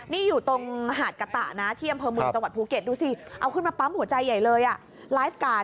นี่อยู่ตรงหาดกะตะนะที่อำเภอเมืองจังหวัดภูเก็ตดูสิเอาขึ้นมาปั๊มหัวใจใหญ่เลยอ่ะไลฟ์การ์ด